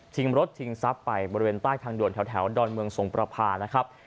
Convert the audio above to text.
รถชิงทรัพย์ไปบริเวณใต้ทางด่วนแถวดอนเมืองสงประพานะครับ